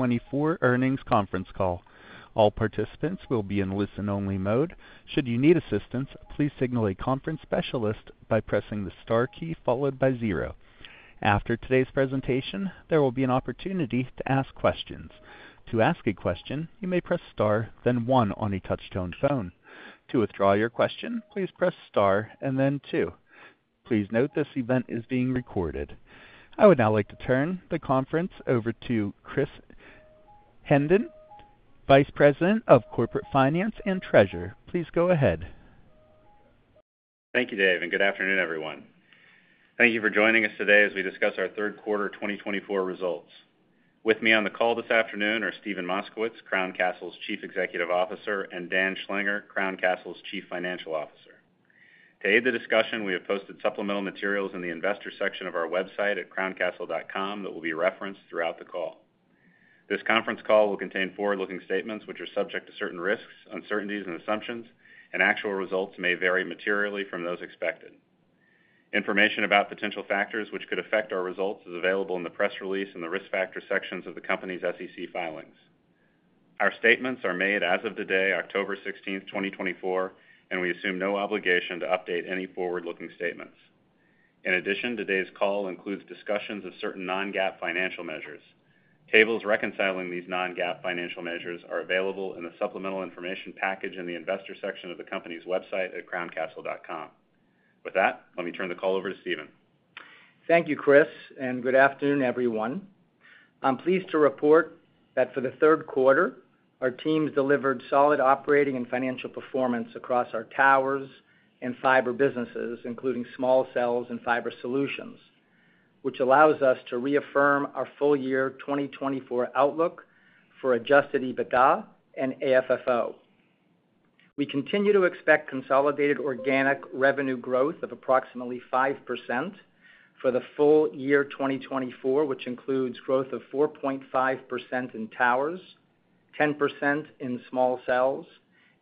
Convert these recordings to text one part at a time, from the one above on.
2024 Earnings Conference Call. All participants will be in listen-only mode. Should you need assistance, please signal a conference specialist by pressing the star key followed by zero. After today's presentation, there will be an opportunity to ask questions. To ask a question, you may press Star, then one on a touch-tone phone. To withdraw your question, please press Star and then two. Please note, this event is being recorded. I would now like to turn the conference over to Kris Hinson, Vice President of Corporate Finance and Treasurer. Please go ahead. Thank you, Dave, and good afternoon, everyone. Thank you for joining us today as we discuss our third quarter twenty twenty-four results. With me on the call this afternoon are Steven Moskowitz, Crown Castle's Chief Executive Officer, and Dan Schlanger, Crown Castle's Chief Financial Officer. To aid the discussion, we have posted supplemental materials in the investor section of our website at crowncastle.com that will be referenced throughout the call. This conference call will contain forward-looking statements, which are subject to certain risks, uncertainties, and assumptions, and actual results may vary materially from those expected. Information about potential factors which could affect our results is available in the press release in the Risk Factors sections of the company's SEC filings. Our statements are made as of today, October 16th 2024, and we assume no obligation to update any forward-looking statements. In addition, today's call includes discussions of certain non-GAAP financial measures. Tables reconciling these non-GAAP financial measures are available in the supplemental information package in the Investor section of the company's website at crowncastle.com. With that, let me turn the call over to Steven. Thank you, Kris, and good afternoon, everyone. I'm pleased to report that for the third quarter, our teams delivered solid operating and financial performance across our towers and fiber businesses, including small cells and fiber solutions, which allows us to reaffirm our full year twenty twenty-four outlook for adjusted EBITDA and AFFO. We continue to expect consolidated organic revenue growth of approximately 5% for the full year 2024, which includes growth of 4.5% in towers, 10% in small cells,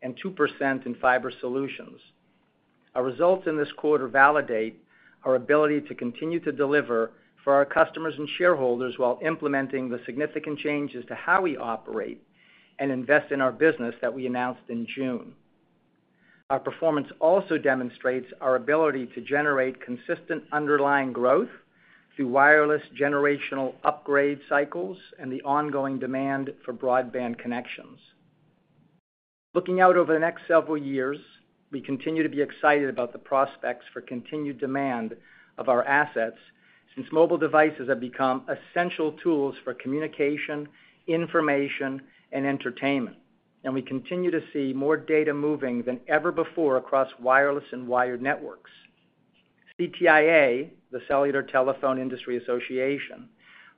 and 2% in fiber solutions. Our results in this quarter validate our ability to continue to deliver for our customers and shareholders, while implementing the significant changes to how we operate and invest in our business that we announced in June. Our performance also demonstrates our ability to generate consistent underlying growth through wireless generational upgrade cycles and the ongoing demand for broadband connections. Looking out over the next several years, we continue to be excited about the prospects for continued demand of our assets, since mobile devices have become essential tools for communication, information, and entertainment, and we continue to see more data moving than ever before across wireless and wired networks. CTIA, the Cellular Telephone Industry Association,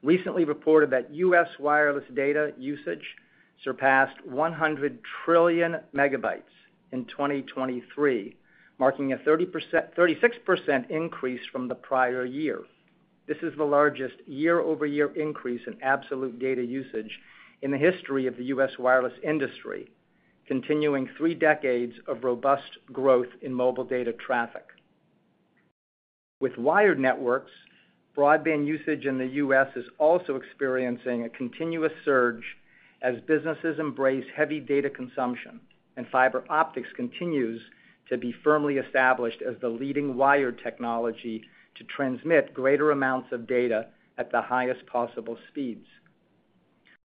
recently reported that U.S. wireless data usage surpassed 100 trillion megabytes in 2023, marking a 36% increase from the prior year. This is the largest year-over-year increase in absolute data usage in the history of the U.S. wireless industry, continuing three decades of robust growth in mobile data traffic. With wired networks, broadband usage in the U.S. is also experiencing a continuous surge as businesses embrace heavy data consumption, and fiber optics continues to be firmly established as the leading wired technology to transmit greater amounts of data at the highest possible speeds.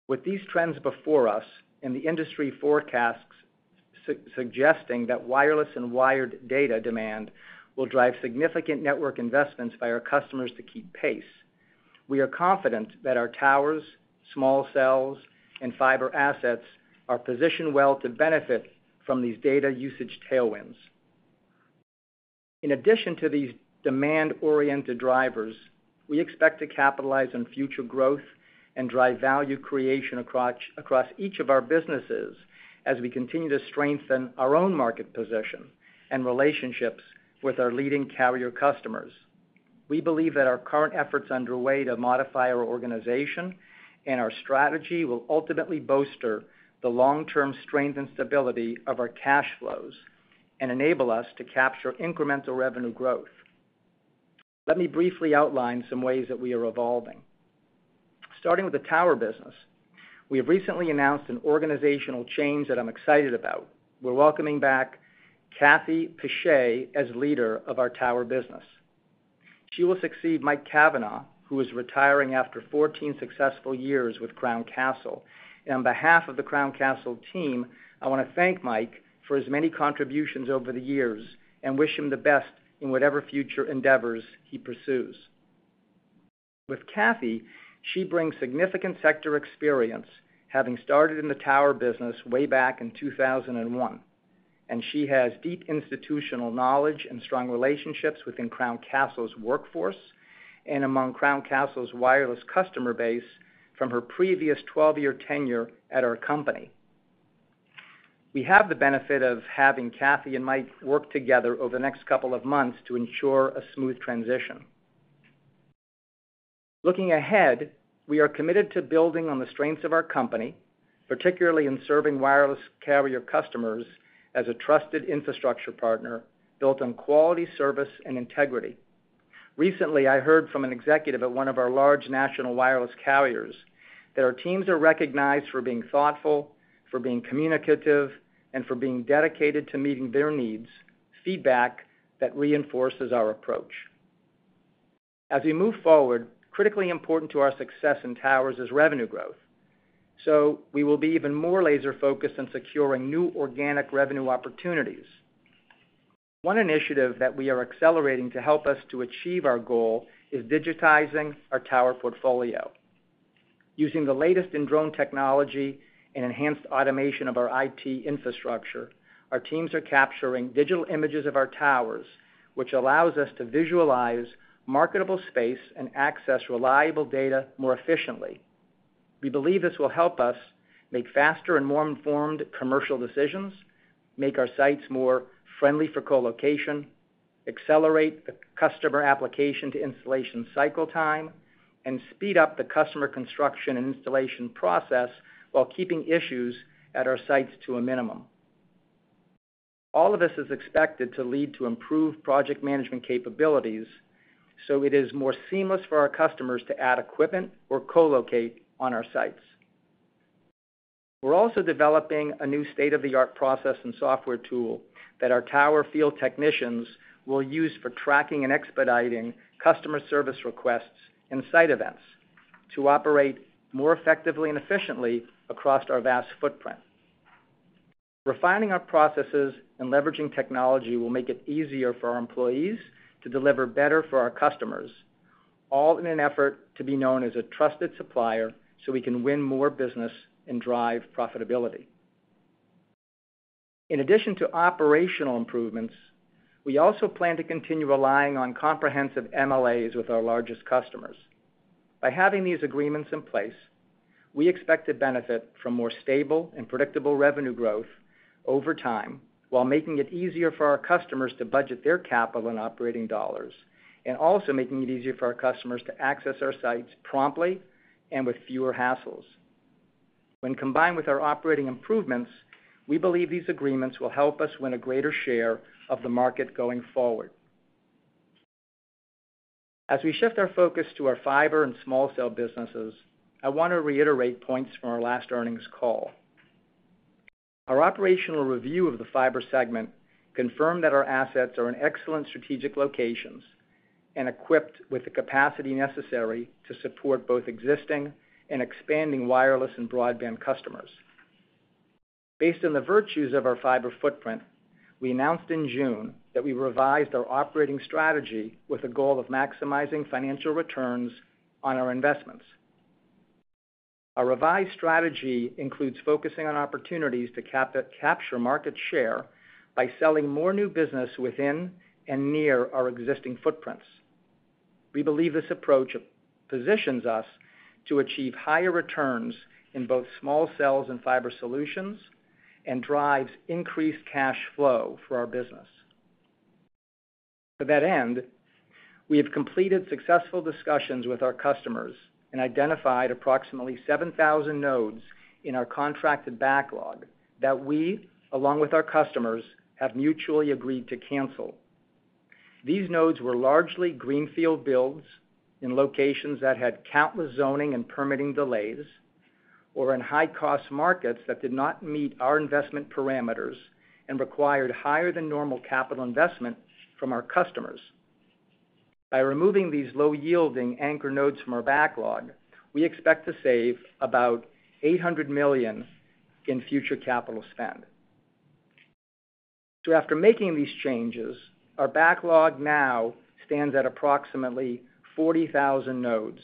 With these trends before us and the industry forecasts suggesting that wireless and wired data demand will drive significant network investments by our customers to keep pace, we are confident that our towers, small cells, and fiber assets are positioned well to benefit from these data usage tailwinds. In addition to these demand-oriented drivers, we expect to capitalize on future growth and drive value creation across each of our businesses as we continue to strengthen our own market position and relationships with our leading carrier customers. We believe that our current efforts underway to modify our organization and our strategy will ultimately bolster the long-term strength and stability of our cash flows and enable us to capture incremental revenue growth. Let me briefly outline some ways that we are evolving. Starting with the tower business, we have recently announced an organizational change that I'm excited about. We're welcoming back Cathy Piche as leader of our tower business. She will succeed Mike Kavanagh, who is retiring after 14 successful years with Crown Castle. And on behalf of the Crown Castle team, I want to thank Mike for his many contributions over the years and wish him the best in whatever future endeavors he pursues. With Cathy, she brings significant sector experience, having started in the tower business way back in 2001, and she has deep institutional knowledge and strong relationships within Crown Castle's workforce and among Crown Castle's wireless customer base from her previous 12-year tenure at our company. We have the benefit of having Cathy and Mike work together over the next couple of months to ensure a smooth transition. Looking ahead, we are committed to building on the strengths of our company, particularly in serving wireless carrier customers as a trusted infrastructure partner built on quality service and integrity. Recently, I heard from an executive at one of our large national wireless carriers, that our teams are recognized for being thoughtful, for being communicative, and for being dedicated to meeting their needs, feedback that reinforces our approach. As we move forward, critically important to our success in towers is revenue growth. So we will be even more laser-focused on securing new organic revenue opportunities. One initiative that we are accelerating to help us to achieve our goal is digitizing our tower portfolio. Using the latest in drone technology and enhanced automation of our IT infrastructure, our teams are capturing digital images of our towers, which allows us to visualize marketable space and access reliable data more efficiently. We believe this will help us make faster and more informed commercial decisions, make our sites more friendly for co-location, accelerate the customer application to installation cycle time, and speed up the customer construction and installation process while keeping issues at our sites to a minimum. All of this is expected to lead to improved project management capabilities, so it is more seamless for our customers to add equipment or co-locate on our sites. We're also developing a new state-of-the-art process and software tool that our tower field technicians will use for tracking and expediting customer service requests and site events to operate more effectively and efficiently across our vast footprint. Refining our processes and leveraging technology will make it easier for our employees to deliver better for our customers, all in an effort to be known as a trusted supplier, so we can win more business and drive profitability. In addition to operational improvements, we also plan to continue relying on comprehensive MLAs with our largest customers. By having these agreements in place, we expect to benefit from more stable and predictable revenue growth over time, while making it easier for our customers to budget their capital and operating dollars, and also making it easier for our customers to access our sites promptly and with fewer hassles. When combined with our operating improvements, we believe these agreements will help us win a greater share of the market going forward. As we shift our focus to our fiber and small cell businesses, I want to reiterate points from our last earnings call. Our operational review of the fiber segment confirmed that our assets are in excellent strategic locations and equipped with the capacity necessary to support both existing and expanding wireless and broadband customers. Based on the virtues of our fiber footprint, we announced in June that we revised our operating strategy with a goal of maximizing financial returns on our investments. Our revised strategy includes focusing on opportunities to capture market share by selling more new business within and near our existing footprints. We believe this approach positions us to achieve higher returns in both small cells and fiber solutions and drives increased cash flow for our business. To that end, we have completed successful discussions with our customers and identified approximately 7,000 nodes in our contracted backlog that we, along with our customers, have mutually agreed to cancel. These nodes were largely greenfield builds in locations that had countless zoning and permitting delays or in high-cost markets that did not meet our investment parameters and required higher than normal capital investment from our customers. By removing these low-yielding anchor nodes from our backlog, we expect to save about $800 million in future capital spend. So after making these changes, our backlog now stands at approximately 40,000 nodes,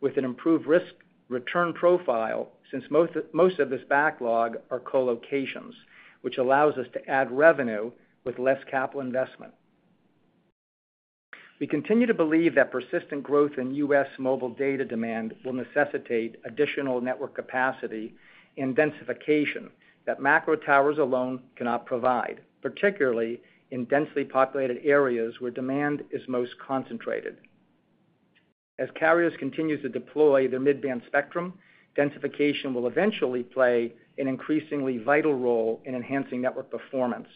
with an improved risk-return profile, since most of this backlog are co-locations, which allows us to add revenue with less capital investment. We continue to believe that persistent growth in U.S. mobile data demand will necessitate additional network capacity and densification that macro towers alone cannot provide, particularly in densely populated areas where demand is most concentrated. As carriers continue to deploy their mid-band spectrum, densification will eventually play an increasingly vital role in enhancing network performance.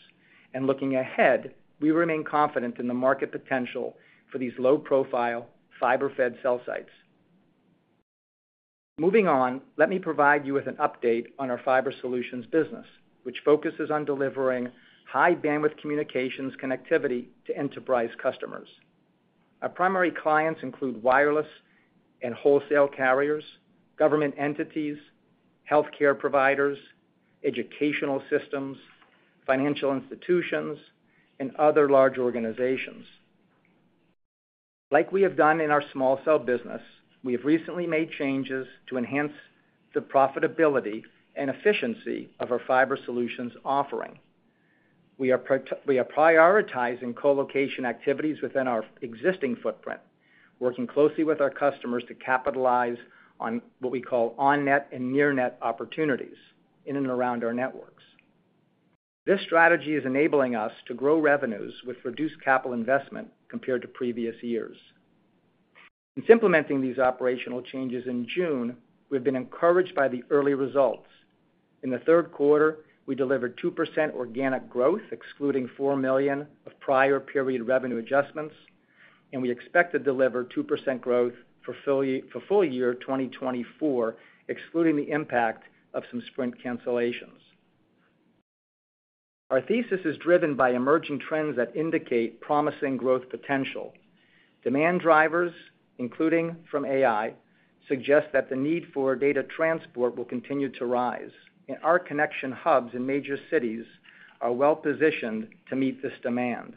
And looking ahead, we remain confident in the market potential for these low-profile, fiber-fed cell sites. Moving on, let me provide you with an update on our fiber solutions business, which focuses on delivering high-bandwidth communications connectivity to enterprise customers. Our primary clients include wireless and wholesale carriers, government entities, healthcare providers, educational systems, financial institutions, and other large organizations. Like we have done in our small cell business, we have recently made changes to enhance the profitability and efficiency of our fiber solutions offering. We are prioritizing co-location activities within our existing footprint, working closely with our customers to capitalize on what we call on-net and near-net opportunities in and around our networks. This strategy is enabling us to grow revenues with reduced capital investment compared to previous years. In implementing these operational changes in June, we've been encouraged by the early results. In the third quarter, we delivered 2% organic growth, excluding $4 million of prior period revenue adjustments, and we expect to deliver 2% growth for full year 2024, excluding the impact of some Sprint cancellations. Our thesis is driven by emerging trends that indicate promising growth potential. Demand drivers, including from AI, suggest that the need for data transport will continue to rise, and our connection hubs in major cities are well-positioned to meet this demand,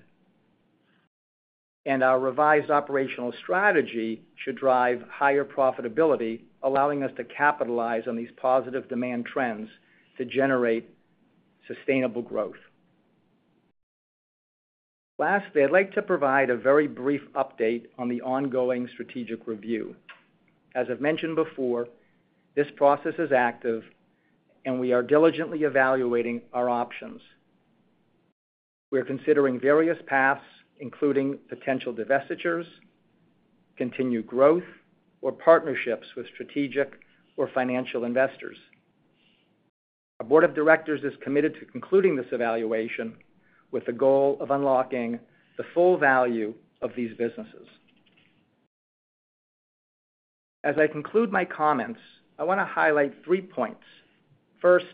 and our revised operational strategy should drive higher profitability, allowing us to capitalize on these positive demand trends to generate sustainable growth. Lastly, I'd like to provide a very brief update on the ongoing strategic review. As I've mentioned before, this process is active, and we are diligently evaluating our options. We are considering various paths, including potential divestitures, continued growth, or partnerships with strategic or financial investors. Our board of directors is committed to concluding this evaluation with the goal of unlocking the full value of these businesses. As I conclude my comments, I want to highlight three points. First,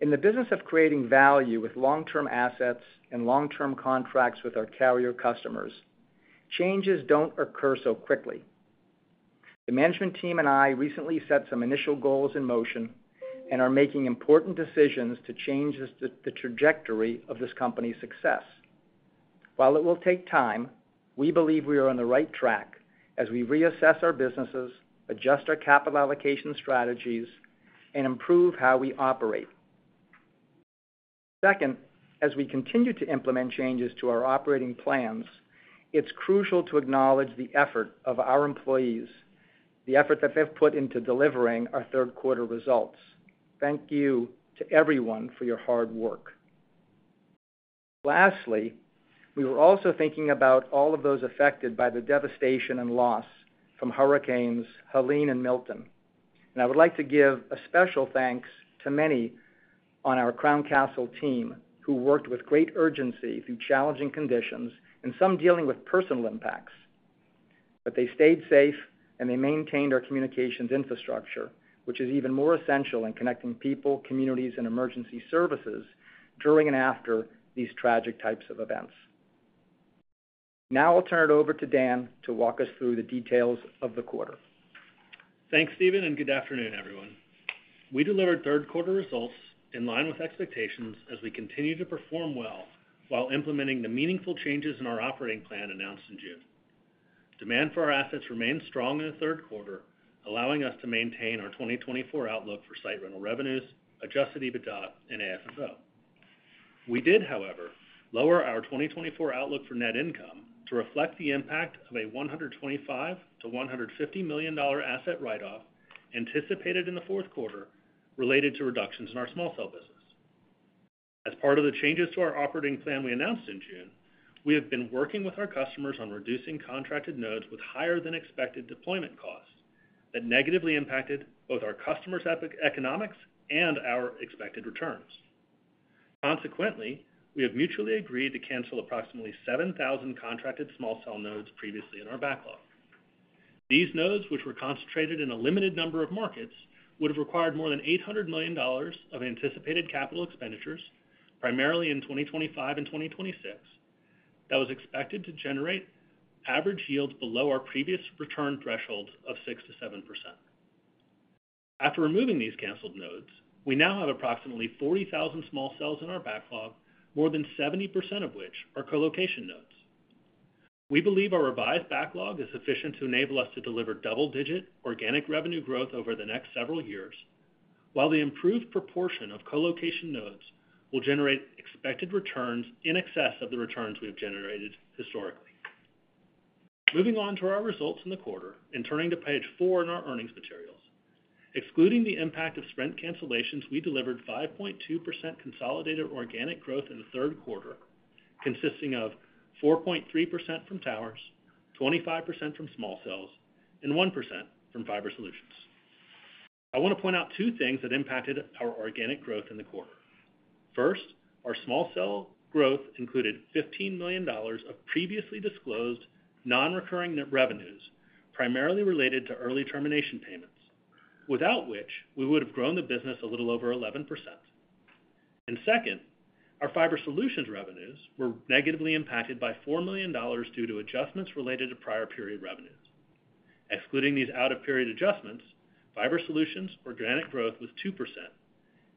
in the business of creating value with long-term assets and long-term contracts with our carrier customers, changes don't occur so quickly. The management team and I recently set some initial goals in motion and are making important decisions to change this, the trajectory of this company's success. While it will take time, we believe we are on the right track as we reassess our businesses, adjust our capital allocation strategies, and improve how we operate. Second, as we continue to implement changes to our operating plans, it's crucial to acknowledge the effort of our employees, the effort that they've put into delivering our third quarter results. Thank you to everyone for your hard work. Lastly, we were also thinking about all of those affected by the devastation and loss from hurricanes Helene and Milton. And I would like to give a special thanks to many on our Crown Castle team who worked with great urgency through challenging conditions, and some dealing with personal impacts. But they stayed safe, and they maintained our communications infrastructure, which is even more essential in connecting people, communities, and emergency services during and after these tragic types of events. Now I'll turn it over to Dan to walk us through the details of the quarter. Thanks, Steven, and good afternoon, everyone. We delivered third quarter results in line with expectations as we continue to perform well while implementing the meaningful changes in our operating plan announced in June. Demand for our assets remained strong in the third quarter, allowing us to maintain our 2024 outlook for site rental revenues, adjusted EBITDA and AFFO. We did, however, lower our 2024 outlook for net income to reflect the impact of a $125 million-$150 million asset write-off anticipated in the fourth quarter, related to reductions in our small cell business. As part of the changes to our operating plan we announced in June, we have been working with our customers on reducing contracted nodes with higher-than-expected deployment costs that negatively impacted both our customers' economics and our expected returns. Consequently, we have mutually agreed to cancel approximately 7,000 contracted small cell nodes previously in our backlog. These nodes, which were concentrated in a limited number of markets, would have required more than $800 million of anticipated capital expenditures, primarily in 2025 and 2026, that was expected to generate average yields below our previous return thresholds of 6%-7%. After removing these canceled nodes, we now have approximately 40,000 small cells in our backlog, more than 70% of which are co-location nodes. We believe our revised backlog is sufficient to enable us to deliver double-digit organic revenue growth over the next several years, while the improved proportion of co-location nodes will generate expected returns in excess of the returns we have generated historically. Moving on to our results in the quarter and turning to page four in our earnings materials. Excluding the impact of Sprint cancellations, we delivered 5.2% consolidated organic growth in the third quarter, consisting of 4.3% from towers, 25% from small cells, and 1% from fiber solutions. I want to point out two things that impacted our organic growth in the quarter. First, our small cell growth included $15 million of previously disclosed non-recurring net revenues, primarily related to early termination payments, without which we would have grown the business a little over 11%. And second, our fiber solutions revenues were negatively impacted by $4 million due to adjustments related to prior period revenues. Excluding these out-of-period adjustments, fiber solutions organic growth was 2%,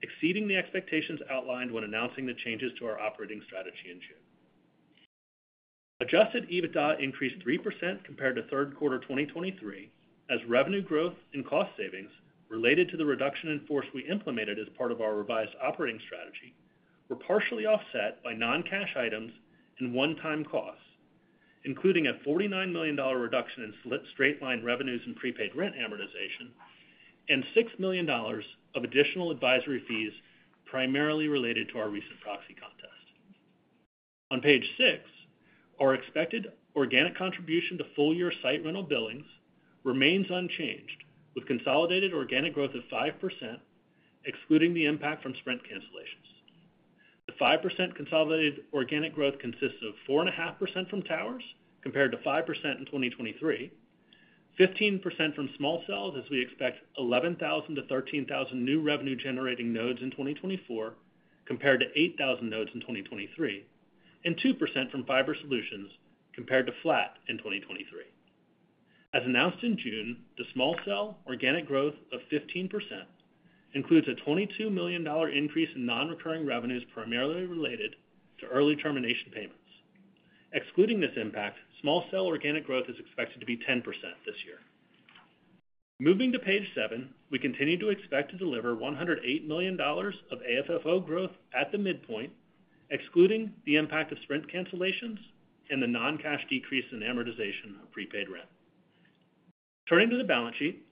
exceeding the expectations outlined when announcing the changes to our operating strategy in June. Adjusted EBITDA increased 3% compared to third quarter 2023, as revenue growth and cost savings related to the reduction in force we implemented as part of our revised operating strategy were partially offset by non-cash items and one-time costs, including a $49 million reduction in straight-line revenues and prepaid rent amortization, and $6 million of additional advisory fees, primarily related to our recent proxy contest. On page six, our expected organic contribution to full-year site rental billings remains unchanged, with consolidated organic growth of 5%, excluding the impact from Sprint cancellations. The 5% consolidated organic growth consists of 4.5% from towers, compared to 5% in 2023, 15% from small cells, as we expect 11,000 to 13,000 new revenue-generating nodes in 2024, compared to 8,000 nodes in 2023, and 2% from fiber solutions, compared to flat in 2023. As announced in June, the small cell organic growth of 15% includes a $22 million increase in non-recurring revenues, primarily related to early termination payments. Excluding this impact, small cell organic growth is expected to be 10% this year. Moving to page seven, we continue to expect to deliver $108 million of AFFO growth at the midpoint, excluding the impact of Sprint cancellations and the non-cash decrease in amortization of prepaid rent. Turning to the balance sheet,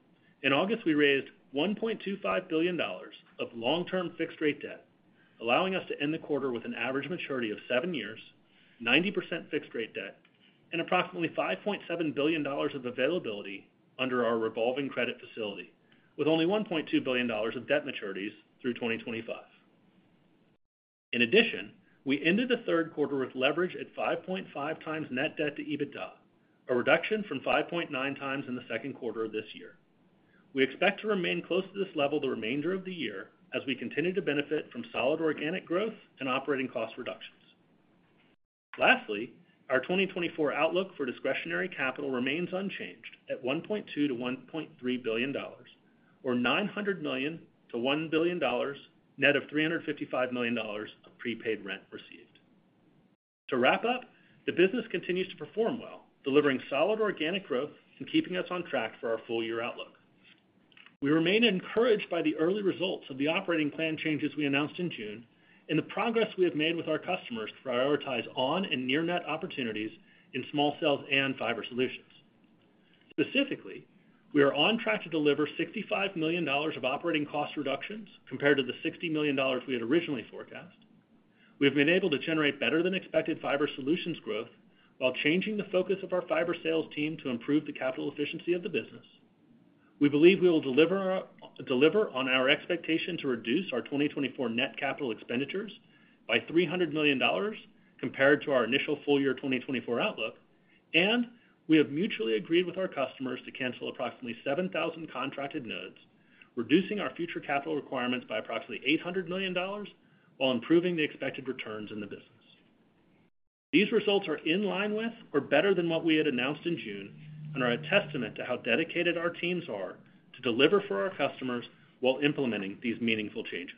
in August, we raised $1.25 billion of long-term fixed-rate debt, allowing us to end the quarter with an average maturity of 7 years, 90% fixed-rate debt, and approximately $5.7 billion of availability under our revolving credit facility, with only $1.2 billion of debt maturities through 2025. In addition, we ended the third quarter with leverage at 5.5x net debt to EBITDA, a reduction from 5.9x in the second quarter of this year. We expect to remain close to this level the remainder of the year as we continue to benefit from solid organic growth and operating cost reductions. Lastly, our 2024 outlook for discretionary capital remains unchanged at $1.2-$1.3 billion, or $900 million-$1 billion, net of $355 million of prepaid rent received. To wrap up, the business continues to perform well, delivering solid organic growth and keeping us on track for our full-year outlook. We remain encouraged by the early results of the operating plan changes we announced in June and the progress we have made with our customers to prioritize on- and near-net opportunities in small cells and fiber solutions. Specifically, we are on track to deliver $65 million of operating cost reductions compared to the $60 million we had originally forecast. We have been able to generate better-than-expected fiber solutions growth while changing the focus of our fiber sales team to improve the capital efficiency of the business. We believe we will deliver, deliver on our expectation to reduce our 2024 net capital expenditures by $300 million compared to our initial full-year 2024 outlook, and we have mutually agreed with our customers to cancel approximately 7,000 contracted nodes, reducing our future capital requirements by approximately $800 million while improving the expected returns in the business. These results are in line with or better than what we had announced in June and are a testament to how dedicated our teams are to deliver for our customers while implementing these meaningful changes.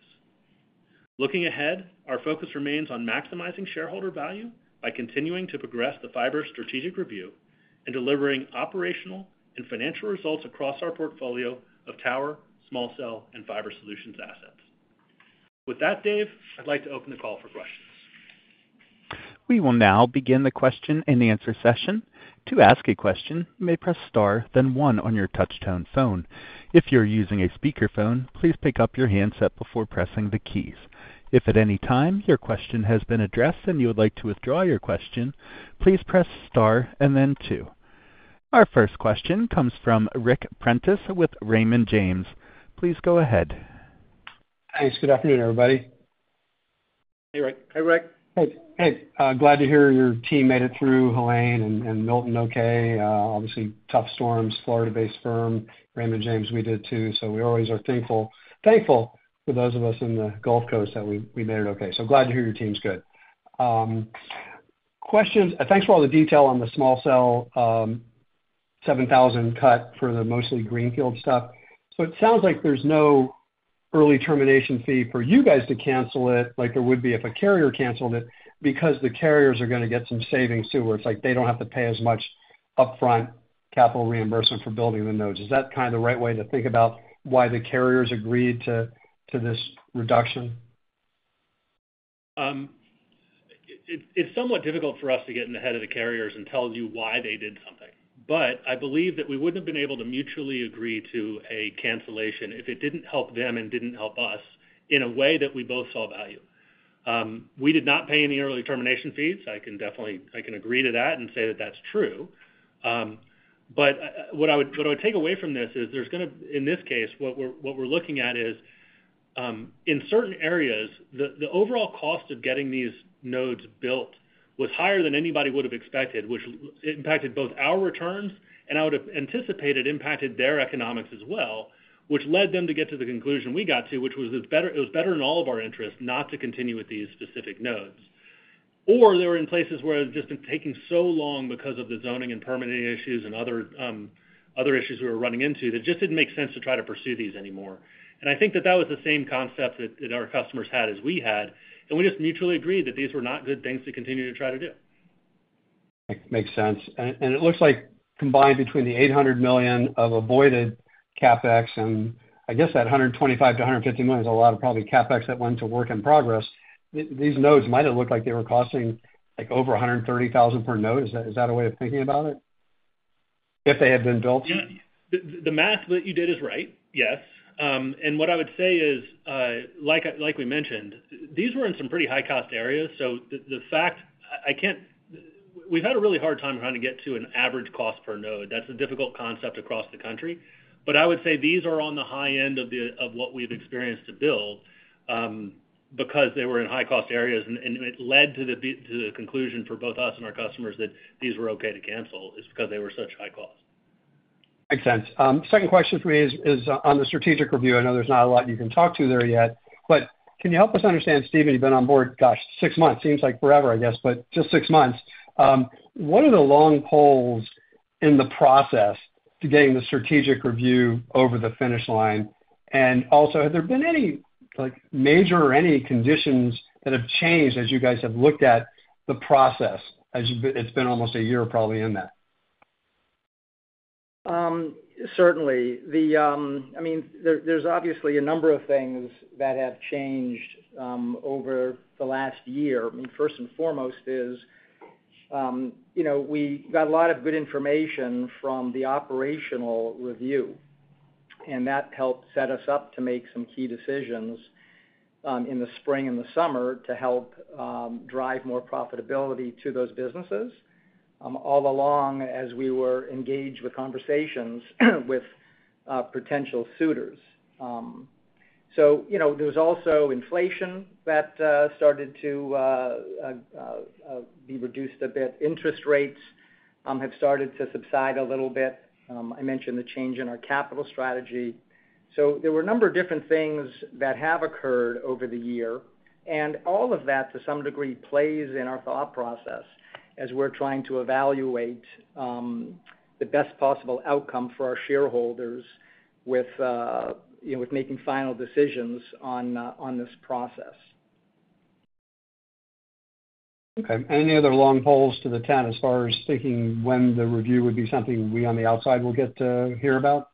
Looking ahead, our focus remains on maximizing shareholder value by continuing to progress the fiber strategic review and delivering operational and financial results across our portfolio of tower, small cell, and fiber solutions assets. With that, Dave, I'd like to open the call for questions. We will now begin the question-and-answer session. To ask a question, you may press star, then one on your touchtone phone. If you're using a speakerphone, please pick up your handset before pressing the keys. If at any time your question has been addressed and you would like to withdraw your question, please press star and then two. Our first question comes from Ric Prentiss with Raymond James. Please go ahead. Thanks. Good afternoon, everybody. Hey, Ric. Hey, Ric. Hey, hey, glad to hear your team made it through Helene and Milton okay. Obviously, tough storms, Florida-based firm, Raymond James. We did, too. So we always are thankful for those of us in the Gulf Coast that we made it okay. So glad to hear your team's good. Questions. Thanks for all the detail on the small cell, 7,000 cut for the mostly greenfield stuff. So it sounds like there's no early termination fee for you guys to cancel it, like there would be if a carrier canceled it, because the carriers are gonna get some savings, too, where it's like they don't have to pay as much upfront capital reimbursement for building the nodes. Is that kind of the right way to think about why the carriers agreed to this reduction? It's somewhat difficult for us to get in the head of the carriers and tell you why they did something. But I believe that we wouldn't have been able to mutually agree to a cancellation if it didn't help them and didn't help us in a way that we both saw value. We did not pay any early termination fees. I can definitely agree to that and say that that's true. But what I would take away from this is there's gonna... In this case, what we're looking at is, in certain areas, the overall cost of getting these nodes built was higher than anybody would have expected, which impacted both our returns and I would have anticipated impacted their economics as well, which led them to get to the conclusion we got to, which was it's better, it was better in all of our interests not to continue with these specific nodes. Or they were in places where it had just been taking so long because of the zoning and permitting issues and other issues we were running into, that it just didn't make sense to try to pursue these anymore. I think that that was the same concept that our customers had as we had, and we just mutually agreed that these were not good things to continue to try to do. Makes sense. And it looks like combined between the $800 million of avoided CapEx and I guess that $125 million-$150 million is a lot of probably CapEx that went to work in progress. These nodes might have looked like they were costing, like, over $130,000 per node. Is that a way of thinking about it?... if they had been built? Yeah, the math that you did is right, yes. And what I would say is, like we mentioned, these were in some pretty high-cost areas, so the fact—I can't—We've had a really hard time trying to get to an average cost per node. That's a difficult concept across the country. But I would say these are on the high end of what we've experienced to build, because they were in high-cost areas, and it led to the conclusion for both us and our customers that these were okay to cancel, is because they were such high cost. Makes sense. Second question for me is on the strategic review. I know there's not a lot you can talk to there yet, but can you help us understand, Steven, you've been on board, gosh, six months, seems like forever, I guess, but just six months. What are the long poles in the process to getting the strategic review over the finish line? And also, have there been any, like, major or any conditions that have changed as you guys have looked at the process, as you've been, it's been almost a year, probably, in that? Certainly. The... I mean, there's obviously a number of things that have changed over the last year. I mean, first and foremost is, you know, we got a lot of good information from the operational review, and that helped set us up to make some key decisions in the spring and the summer to help drive more profitability to those businesses, all along as we were engaged with conversations with potential suitors. So, you know, there was also inflation that started to be reduced a bit. Interest rates have started to subside a little bit. I mentioned the change in our capital strategy. So there were a number of different things that have occurred over the year, and all of that, to some degree, plays in our thought process as we're trying to evaluate the best possible outcome for our shareholders with, you know, with making final decisions on this process. Okay. Any other long pole in the tent as far as thinking when the review would be something we, on the outside, will get to hear about?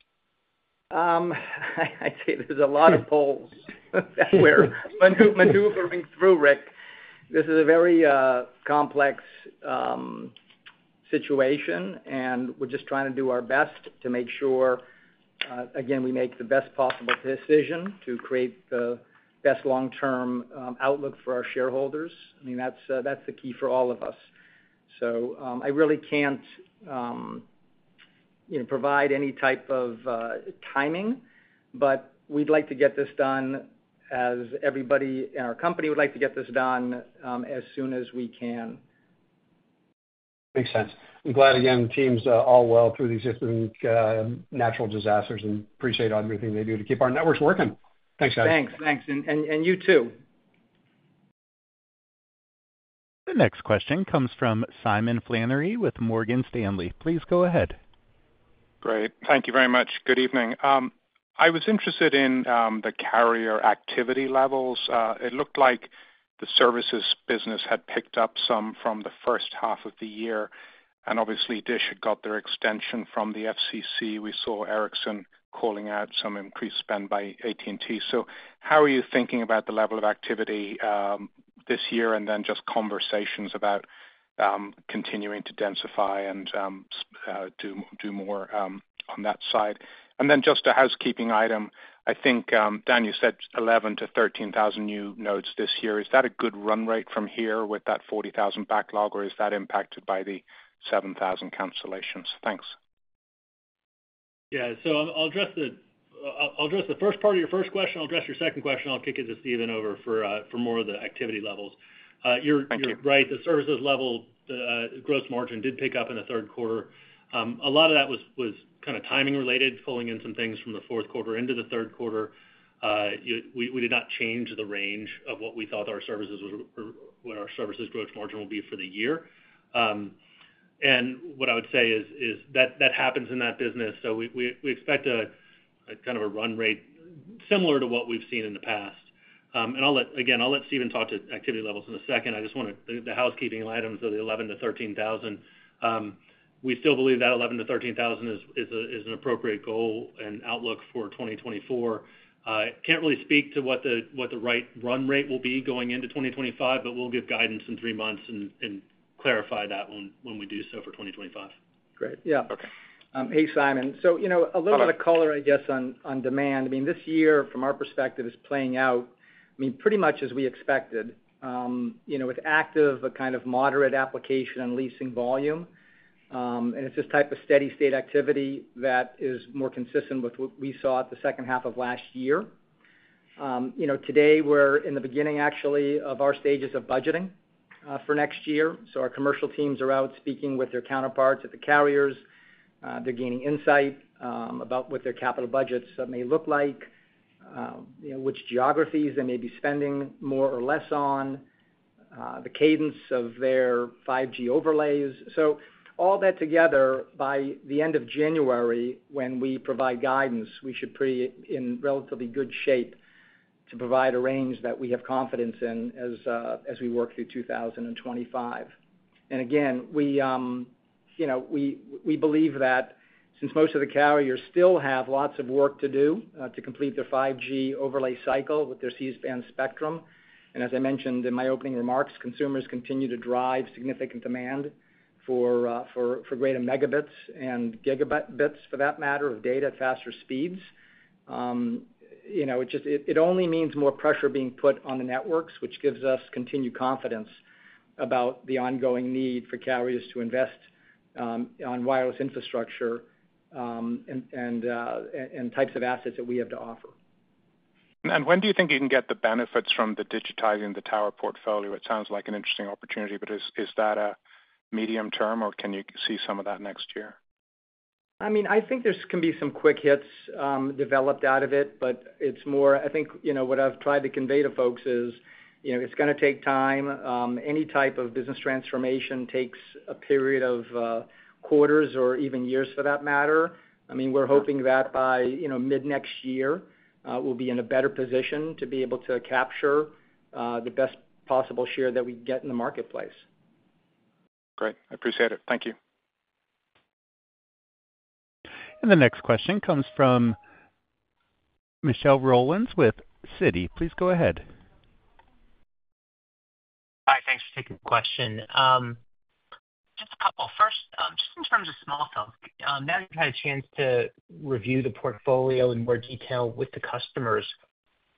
I'd say there's a lot of poles, we're maneuvering through, Ric. This is a very complex situation, and we're just trying to do our best to make sure, again, we make the best possible decision to create the best long-term outlook for our shareholders. I mean, that's the key for all of us. So, I really can't, you know, provide any type of timing, but we'd like to get this done, as everybody in our company would like to get this done, as soon as we can. Makes sense. I'm glad, again, the team's all well through these different natural disasters and appreciate everything they do to keep our networks working. Thanks, guys. Thanks. And you, too. The next question comes from Simon Flannery with Morgan Stanley. Please go ahead. Great. Thank you very much. Good evening. I was interested in the carrier activity levels. It looked like the services business had picked up some from the first half of the year, and obviously, DISH had got their extension from the FCC. We saw Ericsson calling out some increased spend by AT&T. So how are you thinking about the level of activity this year, and then just conversations about continuing to densify and do more on that side? And then just a housekeeping item. I think, Dan, you said 11-13,000 new nodes this year. Is that a good run rate from here with that 40,000 backlog, or is that impacted by the 7,000 cancellations? Thanks. Yeah. So I'll address the first part of your first question. I'll address your second question. I'll kick it over to Steven for more of the activity levels. Thank you. You're right, the services level, the gross margin did pick up in the third quarter. A lot of that was kind of timing related, pulling in some things from the fourth quarter into the third quarter. We did not change the range of what we thought our services would, or what our services gross margin will be for the year. And what I would say is that that happens in that business. So we expect a kind of a run rate similar to what we've seen in the past. And I'll let again, I'll let Steven talk to activity levels in a second. I just want to... The housekeeping items of the 11-13,000, we still believe that 11-13,000 is an appropriate goal and outlook for 2024. Can't really speak to what the right run rate will be going into 2025, but we'll give guidance in three months and clarify that when we do so for 2025. Great. Yeah. Okay. Hey, Simon. Hello. So, you know, a little bit of color, I guess, on demand. I mean, this year, from our perspective, is playing out, I mean, pretty much as we expected. You know, with active, but kind of moderate application and leasing volume, and it's this type of steady state activity that is more consistent with what we saw at the second half of last year. You know, today, we're in the beginning, actually, of our stages of budgeting for next year. So our commercial teams are out speaking with their counterparts at the carriers. They're gaining insight about what their capital budgets may look like, you know, which geographies they may be spending more or less on, the cadence of their 5G overlays. So all that together, by the end of January, when we provide guidance, we should be in relatively good shape to provide a range that we have confidence in as we work through 2025. And again, you know, we believe that since most of the carriers still have lots of work to do to complete their 5G overlay cycle with their C-band spectrum, and as I mentioned in my opening remarks, consumers continue to drive significant demand for greater megabits and gigabits, for that matter, of data at faster speeds. You know, it just only means more pressure being put on the networks, which gives us continued confidence about the ongoing need for carriers to invest on wireless infrastructure and types of assets that we have to offer. When do you think you can get the benefits from digitizing the tower portfolio? It sounds like an interesting opportunity, but is that a medium term, or can you see some of that next year? I mean, I think there can be some quick hits developed out of it, but it's more. I think, you know, what I've tried to convey to folks is, you know, it's gonna take time. Any type of business transformation takes a period of quarters or even years, for that matter. I mean, we're hoping that by, you know, mid-next year, we'll be in a better position to be able to capture the best possible share that we can get in the marketplace. Great. I appreciate it. Thank you. The next question comes from Michael Rollins with Citi. Please go ahead. Hi, thanks for taking the question. Just a couple. First, just in terms of small cells, now you've had a chance to review the portfolio in more detail with the customers.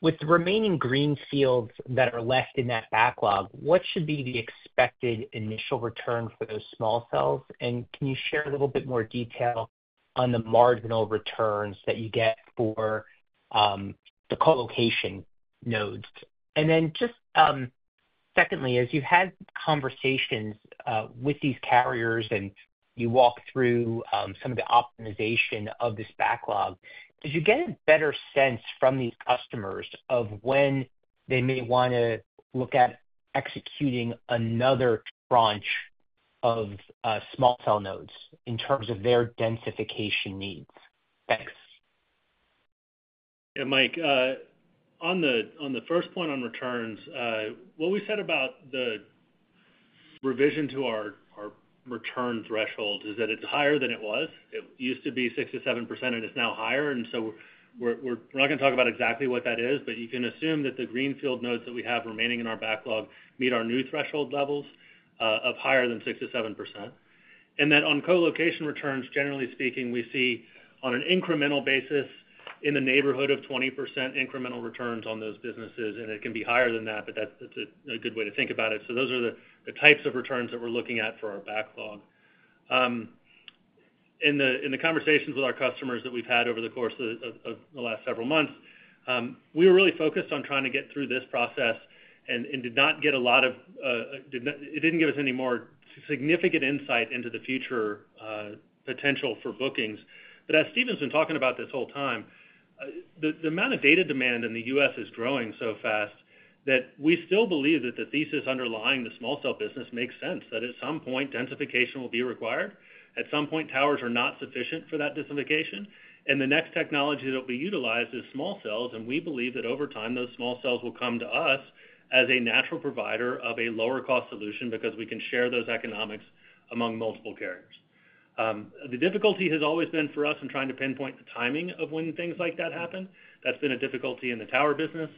With the remaining greenfields that are left in that backlog, what should be the expected initial return for those small cells? And can you share a little bit more detail on the marginal returns that you get for the co-location nodes? And then just secondly, as you've had conversations with these carriers and you walk through some of the optimization of this backlog, did you get a better sense from these customers of when they may wanna look at executing another tranche of small cell nodes in terms of their densification needs? Thanks. Yeah, Mike, on the first point on returns, what we said about the revision to our return threshold is that it's higher than it was. It used to be 6%-7%, and it's now higher. And so we're not gonna talk about exactly what that is, but you can assume that the greenfield nodes that we have remaining in our backlog meet our new threshold levels of higher than 6%-7%. And then on co-location returns, generally speaking, we see on an incremental basis, in the neighborhood of 20% incremental returns on those businesses, and it can be higher than that, but that's a good way to think about it. So those are the types of returns that we're looking at for our backlog. In the conversations with our customers that we've had over the course of the last several months, we were really focused on trying to get through this process and did not get a lot of... It didn't give us any more significant insight into the future potential for bookings. But as Steven's been talking about this whole time, the amount of data demand in the U.S. is growing so fast, that we still believe that the thesis underlying the small cell business makes sense, that at some point, densification will be required. At some point, towers are not sufficient for that densification, and the next technology that will be utilized is small cells. We believe that over time, those small cells will come to us as a natural provider of a lower-cost solution because we can share those economics among multiple carriers. The difficulty has always been for us in trying to pinpoint the timing of when things like that happen. That's been a difficulty in the tower business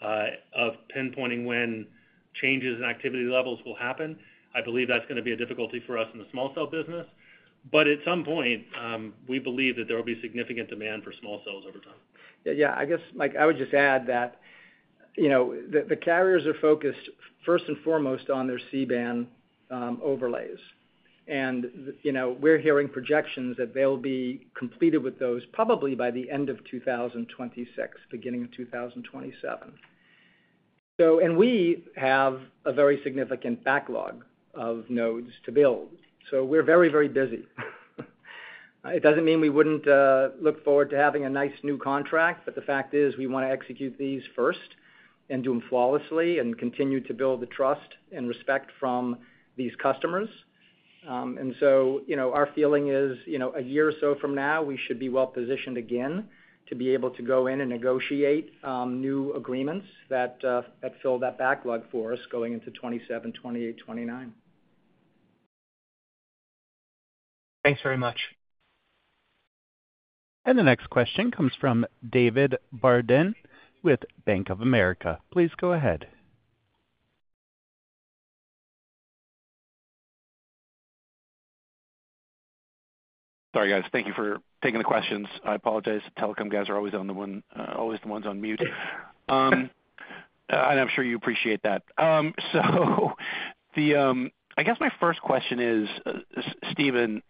of pinpointing when changes in activity levels will happen. I believe that's gonna be a difficulty for us in the small cell business, but at some point, we believe that there will be significant demand for small cells over time. Yeah, yeah. I guess, Mike, I would just add that, you know, the carriers are focused first and foremost on their C-band overlays. And, you know, we're hearing projections that they'll be completed with those probably by the end of 2026, beginning of 2027. So and we have a very significant backlog of nodes to build, so we're very, very busy. It doesn't mean we wouldn't look forward to having a nice new contract, but the fact is, we wanna execute these first and do them flawlessly and continue to build the trust and respect from these customers. and so, you know, our feeling is, you know, a year or so from now, we should be well positioned again to be able to go in and negotiate new agreements that fill that backlog for us going into 2027, 2028, 2029. Thanks very much. The next question comes from David Barden with Bank of America. Please go ahead. Sorry, guys. Thank you for taking the questions. I apologize. The telecom guys are always the ones on mute, and I'm sure you appreciate that, so I guess my first question is, Steven,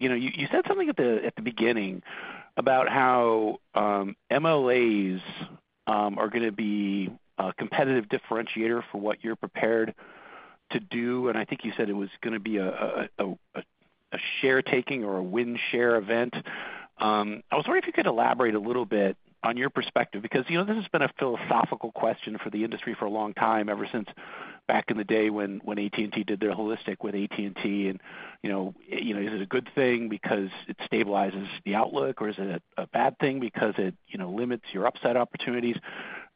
you know, you said something at the beginning about how MLAs are gonna be a competitive differentiator for what you're prepared to do, and I think you said it was gonna be a share taking or a win share event. I was wondering if you could elaborate a little bit on your perspective, because, you know, this has been a philosophical question for the industry for a long time, ever since back in the day when AT&T did their holistic with AT&T and, you know, you know, is it a good thing because it stabilizes the outlook, or is it a bad thing because it, you know, limits your upside opportunities?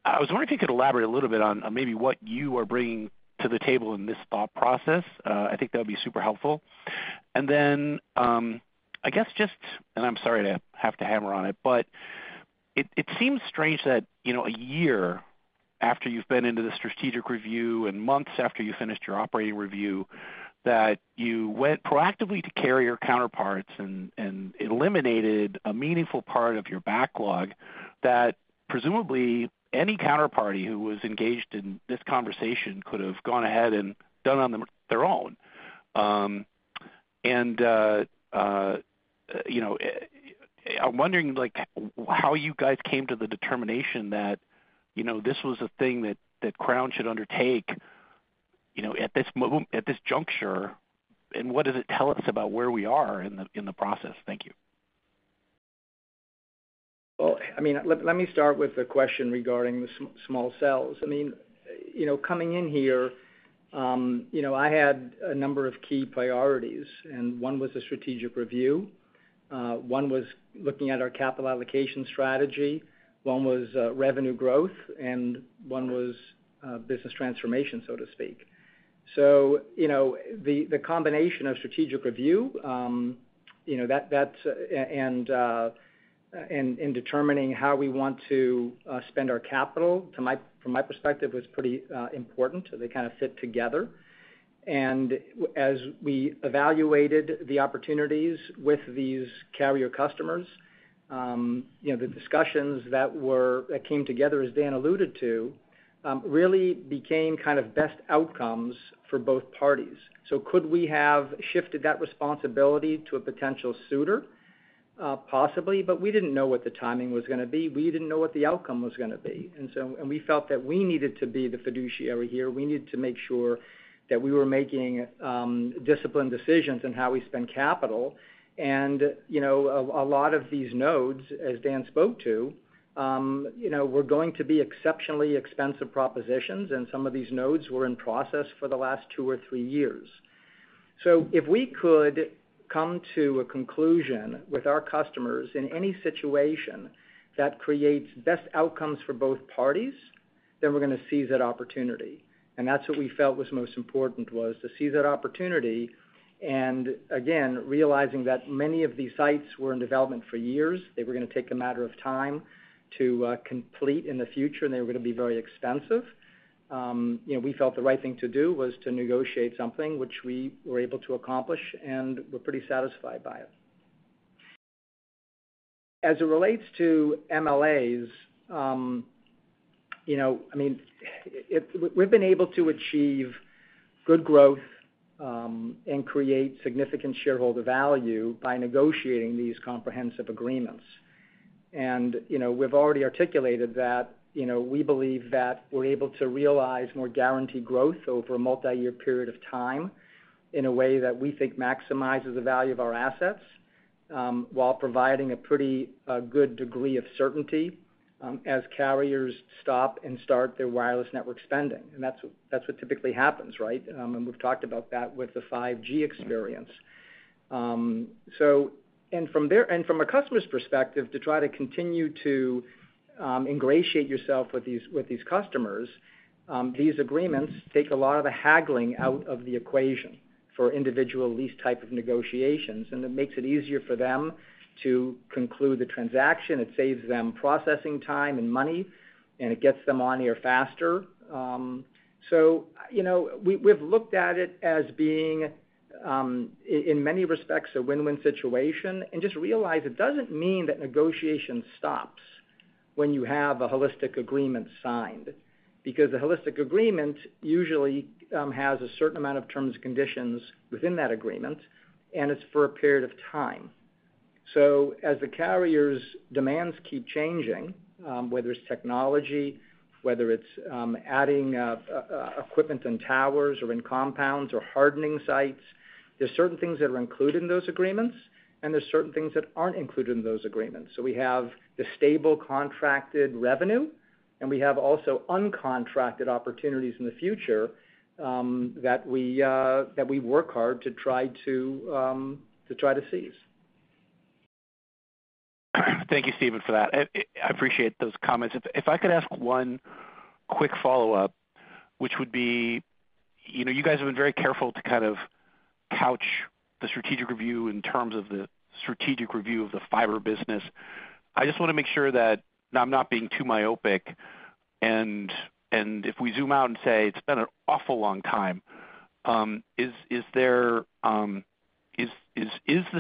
I was wondering if you could elaborate a little bit on maybe what you are bringing to the table in this thought process. I think that would be super helpful. And then, I guess just, and I'm sorry to have to hammer on it, but it seems strange that, you know, a year-... After you've been into the strategic review and months after you finished your operating review, that you went proactively to carrier counterparts and eliminated a meaningful part of your backlog, that presumably any counterparty who was engaged in this conversation could have gone ahead and done on their own. You know, I'm wondering, like, how you guys came to the determination that, you know, this was a thing that Crown should undertake, you know, at this juncture, and what does it tell us about where we are in the process? Thank you. I mean, let me start with the question regarding the small cells. I mean, you know, coming in here, you know, I had a number of key priorities, and one was a strategic review, one was looking at our capital allocation strategy, one was revenue growth, and one was business transformation, so to speak. So, you know, the combination of strategic review, you know, that's and determining how we want to spend our capital, from my perspective, was pretty important. So they kind of fit together. And as we evaluated the opportunities with these carrier customers, you know, the discussions that came together, as Dan alluded to, really became kind of best outcomes for both parties. So could we have shifted that responsibility to a potential suitor? Possibly, but we didn't know what the timing was gonna be. We didn't know what the outcome was gonna be. And so, and we felt that we needed to be the fiduciary here. We needed to make sure that we were making disciplined decisions on how we spend capital. And, you know, a lot of these nodes, as Dan spoke to, you know, were going to be exceptionally expensive propositions, and some of these nodes were in process for the last two or three years. So if we could come to a conclusion with our customers in any situation that creates best outcomes for both parties, then we're gonna seize that opportunity. And that's what we felt was most important, was to seize that opportunity, and again, realizing that many of these sites were in development for years. They were gonna take a matter of time to complete in the future, and they were gonna be very expensive. You know, we felt the right thing to do was to negotiate something which we were able to accomplish, and we're pretty satisfied by it. As it relates to MLAs, you know, I mean, we've been able to achieve good growth, and create significant shareholder value by negotiating these comprehensive agreements. And, you know, we've already articulated that, you know, we believe that we're able to realize more guaranteed growth over a multiyear period of time in a way that we think maximizes the value of our assets, while providing a pretty good degree of certainty, as carriers stop and start their wireless network spending. And that's, that's what typically happens, right? And we've talked about that with the 5G experience. So, and from a customer's perspective, to try to continue to ingratiate yourself with these customers, these agreements take a lot of the haggling out of the equation for individual lease type of negotiations, and it makes it easier for them to conclude the transaction. It saves them processing time and money, and it gets them on air faster. So, you know, we've looked at it as being in many respects, a win-win situation. And just realize it doesn't mean that negotiation stops when you have a holistic agreement signed, because a holistic agreement usually has a certain amount of terms and conditions within that agreement, and it's for a period of time. So as the carriers' demands keep changing, whether it's technology, whether it's adding equipment and towers or in compounds or hardening sites, there's certain things that are included in those agreements, and there's certain things that aren't included in those agreements. So we have the stable contracted revenue, and we have also uncontracted opportunities in the future that we work hard to try to seize. Thank you, Steven, for that. I appreciate those comments. If I could ask one quick follow-up, which would be, you know, you guys have been very careful to kind of couch the strategic review in terms of the strategic review of the fiber business. I just wanna make sure that I'm not being too myopic. And if we zoom out and say it's been an awful long time, is the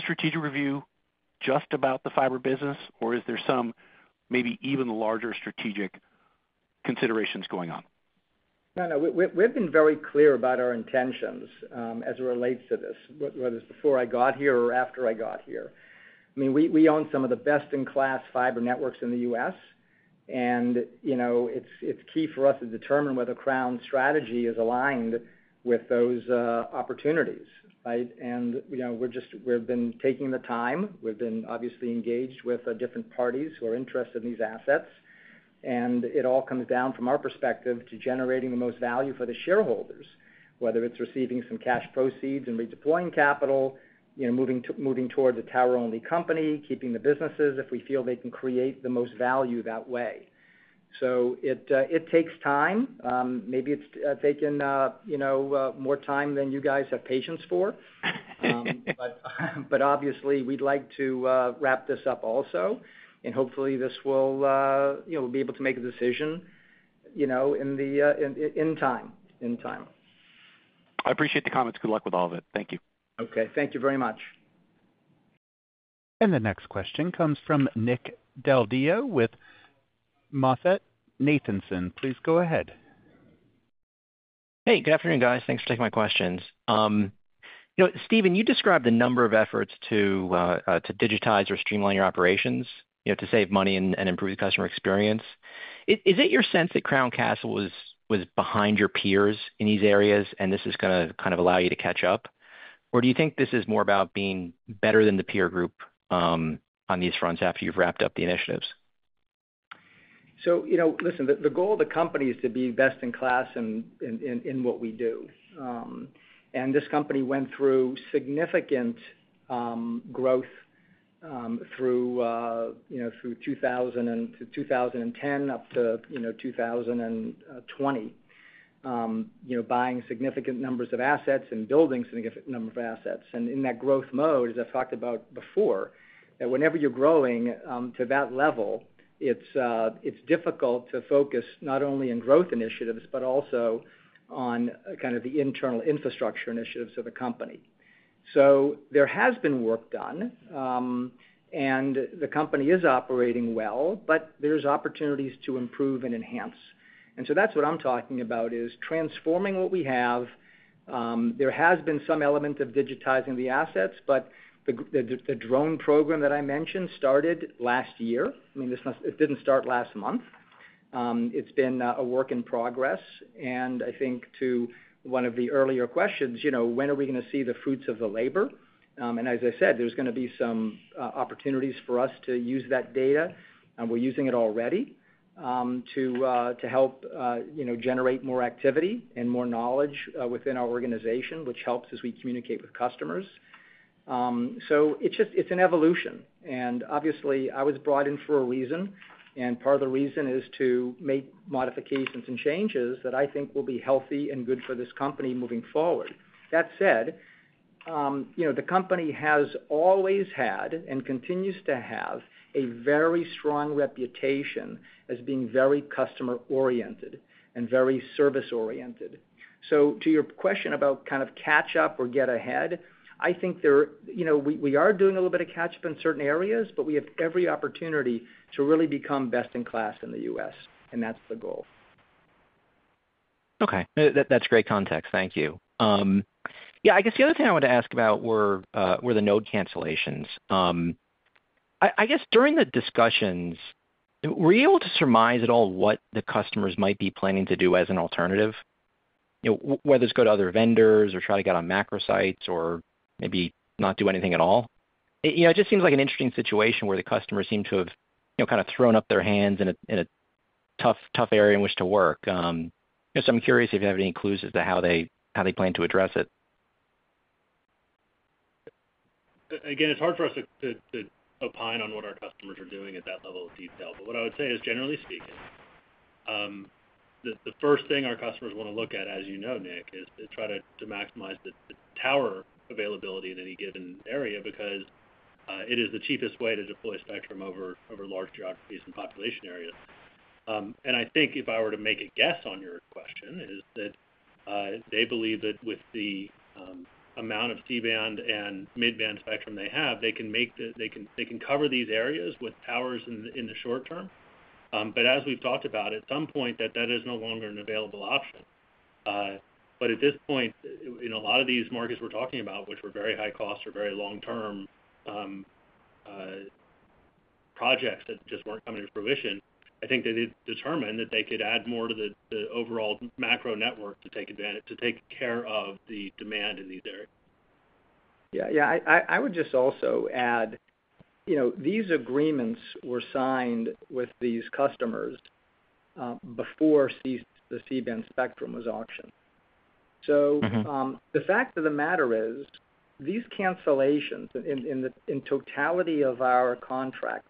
strategic review just about the fiber business, or is there some maybe even larger strategic considerations going on? No, no, we've been very clear about our intentions, as it relates to this, whether it's before I got here or after I got here. I mean, we own some of the best-in-class fiber networks in the U.S., and, you know, it's key for us to determine whether Crown's strategy is aligned with those opportunities, right? And, you know, we've been taking the time. We've been obviously engaged with different parties who are interested in these assets, and it all comes down, from our perspective, to generating the most value for the shareholders, whether it's receiving some cash proceeds and redeploying capital, you know, moving toward a tower-only company, keeping the businesses if we feel they can create the most value that way. So it takes time. Maybe it's taken you know more time than you guys have patience for. But obviously, we'd like to wrap this up also, and hopefully, this will you know we'll be able to make a decision you know in time, in time. I appreciate the comments. Good luck with all of it. Thank you. Okay, thank you very much. The next question comes from Nick Del Deo with MoffettNathanson. Please go ahead. Hey, good afternoon, guys. Thanks for taking my questions. You know, Steven, you described a number of efforts to digitize or streamline your operations, you know, to save money and improve the customer experience. Is it your sense that Crown Castle was behind your peers in these areas, and this is gonna kind of allow you to catch up? Or do you think this is more about being better than the peer group on these fronts after you've wrapped up the initiatives? So, you know, listen, the goal of the company is to be best in class in what we do. And this company went through significant growth through you know, through 2000 and to 2010, up to, you know, 2020. You know, buying significant numbers of assets and building significant number of assets. And in that growth mode, as I've talked about before, that whenever you're growing to that level, it's difficult to focus not only on growth initiatives, but also on kind of the internal infrastructure initiatives of the company. So there has been work done, and the company is operating well, but there's opportunities to improve and enhance. And so that's what I'm talking about, is transforming what we have. There has been some element of digitizing the assets, but the drone program that I mentioned started last year. I mean, it didn't start last month. It's been a work in progress, and I think to one of the earlier questions, you know, when are we gonna see the fruits of the labor? And as I said, there's gonna be some opportunities for us to use that data, and we're using it already to help you know, generate more activity and more knowledge within our organization, which helps as we communicate with customers. So it's just, it's an evolution, and obviously, I was brought in for a reason, and part of the reason is to make modifications and changes that I think will be healthy and good for this company moving forward. That said, you know, the company has always had, and continues to have, a very strong reputation as being very customer-oriented and very service-oriented. So to your question about kind of catch up or get ahead, I think there, you know, we are doing a little bit of catch up in certain areas, but we have every opportunity to really become best in class in the U.S., and that's the goal. Okay. That, that's great context. Thank you. Yeah, I guess the other thing I wanted to ask about were the node cancellations. I guess during the discussions, were you able to surmise at all what the customers might be planning to do as an alternative? You know, whether it's go to other vendors or try to get on macro sites or maybe not do anything at all. It, you know, it just seems like an interesting situation where the customers seem to have, you know, kind of thrown up their hands in a, in a tough, tough area in which to work. So I'm curious if you have any clues as to how they plan to address it. Again, it's hard for us to opine on what our customers are doing at that level of detail. But what I would say is, generally speaking, the first thing our customers wanna look at, as you know, Nick, is to try to maximize the tower availability in any given area because it is the cheapest way to deploy spectrum over large geographies and population areas. And I think if I were to make a guess on your question, is that they believe that with the amount of C-band and mid-band spectrum they have, they can make the. They can cover these areas with towers in the short term. But as we've talked about, at some point, that is no longer an available option. but at this point, in a lot of these markets we're talking about, which were very high cost or very long-term projects that just weren't coming to fruition, I think they did determine that they could add more to the overall macro network to take advantage- to take care of the demand in these areas. Yeah. Yeah, I, I would just also add, you know, these agreements were signed with these customers, before the C-band spectrum was auctioned. Mm-hmm. So, the fact of the matter is, these cancellations in totality of our contract,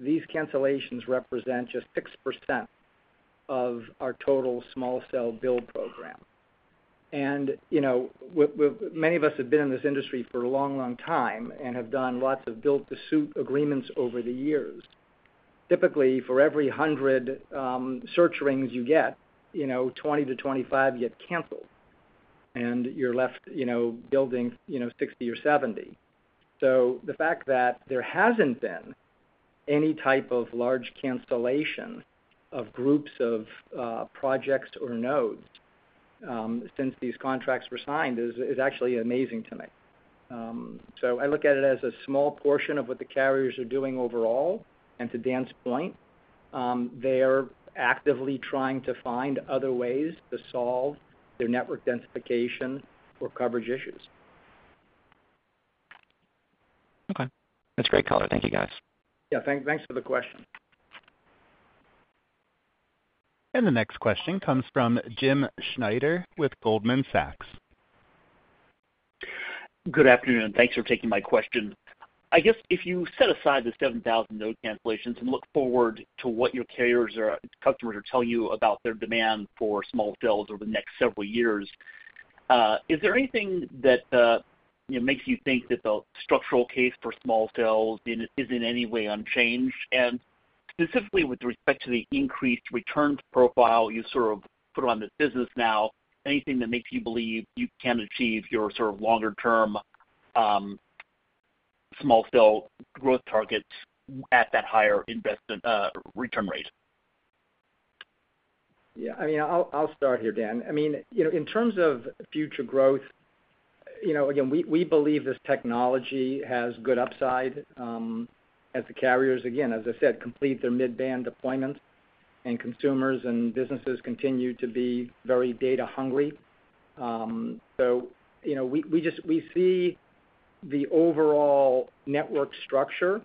these cancellations represent just 6% of our total small cell build program. And, you know, many of us have been in this industry for a long, long time and have done lots of build-to-suit agreements over the years. Typically, for every 100 search rings you get, you know, 20 to 25 get canceled, and you're left, you know, building, you know, 60 or 70. So the fact that there hasn't been any type of large cancellation of groups of projects or nodes since these contracts were signed is actually amazing to me. So I look at it as a small portion of what the carriers are doing overall. And to Dan's point, they are actively trying to find other ways to solve their network densification or coverage issues. Okay. That's a great color. Thank you, guys. Yeah, thanks for the question. The next question comes from Jim Schneider with Goldman Sachs. Good afternoon, thanks for taking my question. I guess if you set aside the 7,000 node cancellations and look forward to what your carriers or customers are telling you about their demand for small cells over the next several years, is there anything that, you know, makes you think that the structural case for small cells is in any way unchanged? And specifically with respect to the increased returns profile you sort of put on this business now, anything that makes you believe you can achieve your sort of longer-term, small cell growth targets at that higher investment, return rate? Yeah, I mean, I'll start here, Dan. I mean, you know, in terms of future growth, you know, again, we believe this technology has good upside as the carriers, again, as I said, complete their mid-band deployment, and consumers and businesses continue to be very data hungry. So, you know, we just see the overall network structure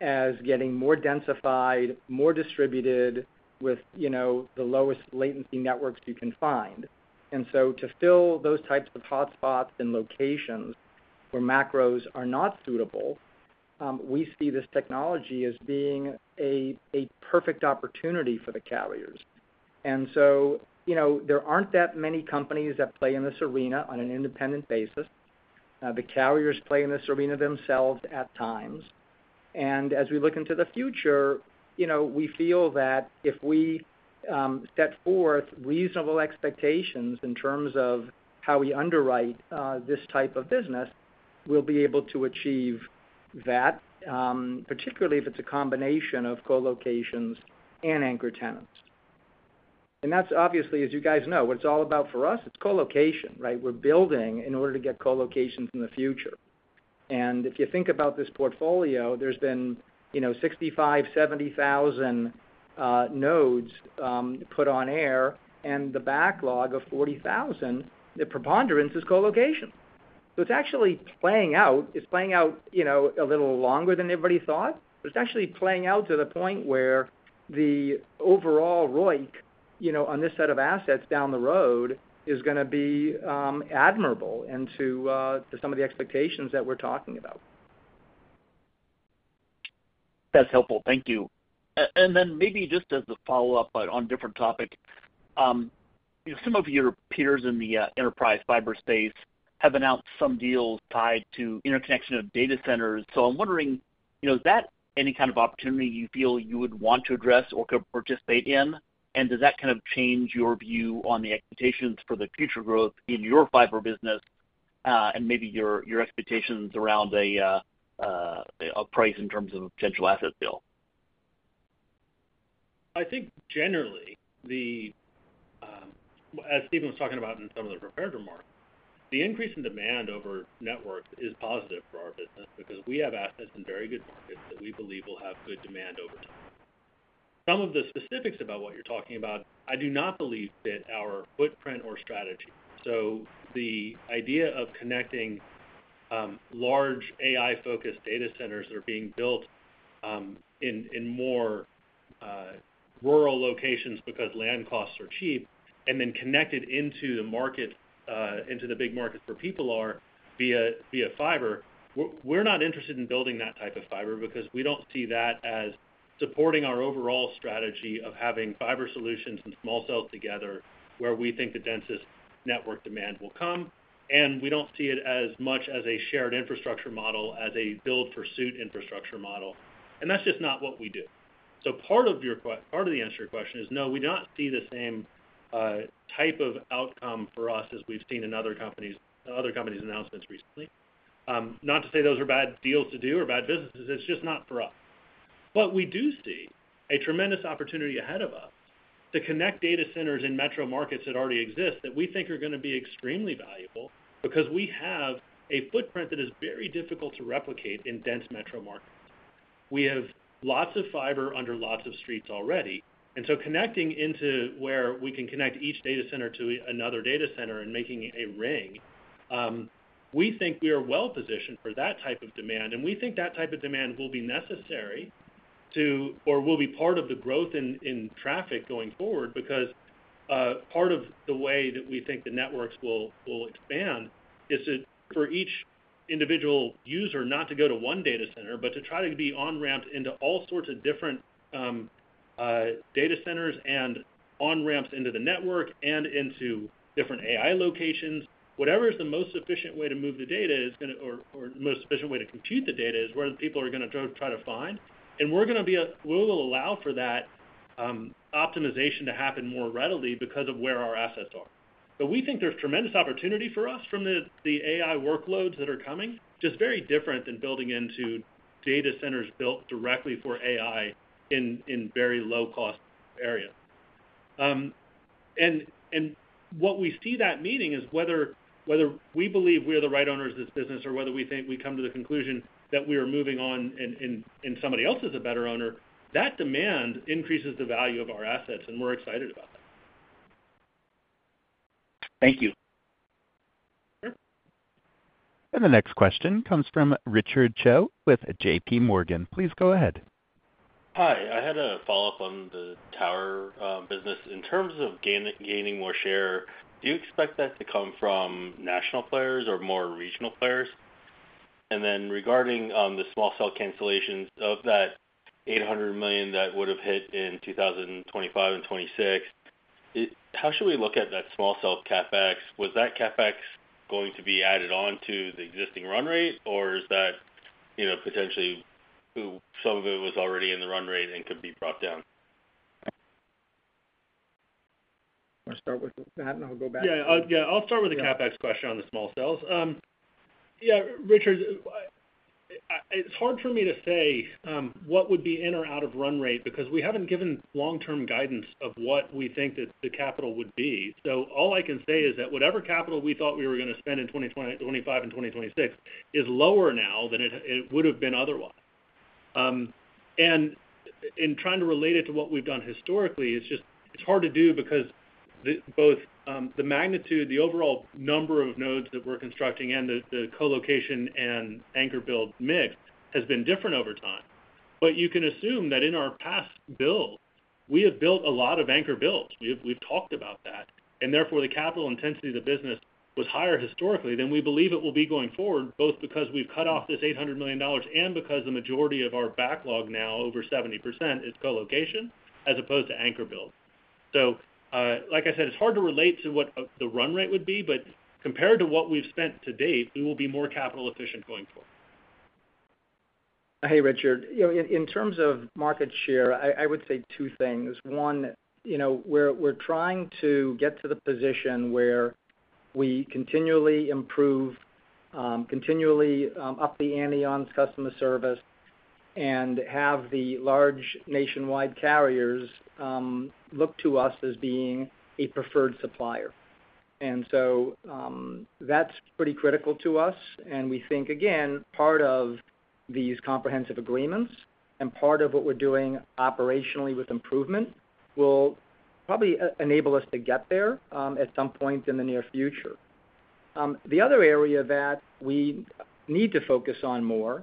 as getting more densified, more distributed with, you know, the lowest latency networks you can find. And so to fill those types of hotspots and locations where macros are not suitable, we see this technology as being a perfect opportunity for the carriers. And so, you know, there aren't that many companies that play in this arena on an independent basis. The carriers play in this arena themselves at times. As we look into the future, you know, we feel that if we set forth reasonable expectations in terms of how we underwrite this type of business, we'll be able to achieve that, particularly if it's a combination of co-locations and anchor tenants. And that's obviously, as you guys know, what it's all about for us, it's co-location, right? We're building in order to get co-locations in the future. And if you think about this portfolio, there's been, you know, 65-70,000 nodes put on air, and the backlog of 40,000, the preponderance is co-location. So it's actually playing out. It's playing out, you know, a little longer than everybody thought, but it's actually playing out to the point where the overall ROIC, you know, on this set of assets down the road is gonna be admirable, and to some of the expectations that we're talking about. That's helpful. Thank you. And then maybe just as a follow-up, but on different topic, some of your peers in the enterprise fiber space have announced some deals tied to interconnection of data centers. So I'm wondering, you know, is that any kind of opportunity you feel you would want to address or could participate in? And does that kind of change your view on the expectations for the future growth in your fiber business, and maybe your expectations around a price in terms of potential asset bill? I think generally, as Steven was talking about in some of the prepared remarks, the increase in demand over networks is positive for our business because we have assets in very good markets that we believe will have good demand over time. Some of the specifics about what you're talking about, I do not believe fit our footprint or strategy. So the idea of connecting large AI-focused data centers that are being built in more rural locations because land costs are cheap, and then connected into the market into the big market where people are via fiber, we're not interested in building that type of fiber because we don't see that as supporting our overall strategy of having fiber solutions and small cells together, where we think the densest network demand will come, and we don't see it as much as a shared infrastructure model, as a build-to-suit infrastructure model, and that's just not what we do. So part of the answer to your question is, no, we do not see the same type of outcome for us as we've seen in other companies' announcements recently. Not to say those are bad deals to do or bad businesses, it's just not for us. What we do see, a tremendous opportunity ahead of us to connect data centers in metro markets that already exist, that we think are gonna be extremely valuable because we have a footprint that is very difficult to replicate in dense metro markets. We have lots of fiber under lots of streets already, and so connecting into where we can connect each data center to another data center and making a ring. We think we are well positioned for that type of demand, and we think that type of demand will be necessary to, or will be part of the growth in traffic going forward, because part of the way that we think the networks will expand is that for each individual user, not to go to one data center, but to try to be on-ramped into all sorts of different data centers and on-ramps into the network and into different AI locations. Whatever is the most efficient way to move the data is gonna or most efficient way to compute the data is where people are gonna try to find. We will allow for that optimization to happen more readily because of where our assets are. But we think there's tremendous opportunity for us from the AI workloads that are coming, just very different than building into data centers built directly for AI in very low-cost areas. What we see that meaning is whether we believe we are the right owners of this business or whether we think we come to the conclusion that we are moving on and somebody else is a better owner, that demand increases the value of our assets, and we're excited about that. Thank you. Sure. The next question comes from Richard Choe with JPMorgan. Please go ahead. Hi, I had a follow-up on the tower business. In terms of gaining more share, do you expect that to come from national players or more regional players? And then regarding the small cell cancellations, of that $800 million that would have hit in 2025 and 2026, how should we look at that small cell CapEx? Was that CapEx going to be added on to the existing run rate, or is that, you know, potentially, some of it was already in the run rate and could be brought down? Want to start with that, and I'll go back? Yeah. Yeah, I'll start with the CapEx question on the small cells. Yeah, Richard, it's hard for me to say what would be in or out of run rate, because we haven't given long-term guidance of what we think that the capital would be. So all I can say is that whatever capital we thought we were going to spend in 2025 and 2026 is lower now than it would have been otherwise. And in trying to relate it to what we've done historically, it's just hard to do because both the magnitude, the overall number of nodes that we're constructing and the co-location and anchor build mix has been different over time. But you can assume that in our past builds, we have built a lot of anchor builds. We've talked about that, and therefore, the capital intensity of the business was higher historically than we believe it will be going forward, both because we've cut off this $800 million and because the majority of our backlog now, over 70%, is co-location as opposed to anchor build. So, like I said, it's hard to relate to what the run rate would be, but compared to what we've spent to date, we will be more capital efficient going forward. Hey, Richard. You know, in terms of market share, I would say two things. One, you know, we're trying to get to the position where we continually improve, continually up the ante on customer service and have the large nationwide carriers look to us as being a preferred supplier. And so, that's pretty critical to us, and we think, again, part of these comprehensive agreements and part of what we're doing operationally with improvement, will probably enable us to get there at some point in the near future. The other area that we need to focus on more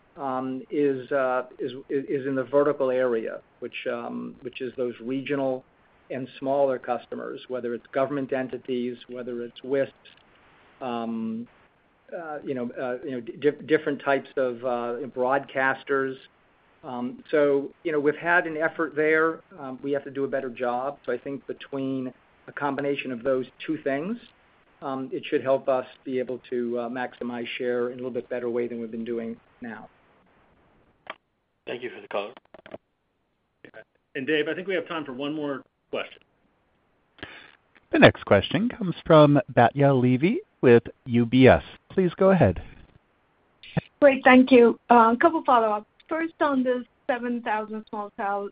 is in the vertical area, which is those regional and smaller customers, whether it's government entities, whether it's WISPs, you know, different types of broadcasters. So, you know, we've had an effort there, we have to do a better job. So I think between a combination of those two things, it should help us be able to maximize share in a little bit better way than we've been doing now. Thank you for the call. Yeah, and Dave, I think we have time for one more question. The next question comes from Batya Levi with UBS. Please go ahead. Great, thank you. A couple follow-ups. First, on this 7,000 small cell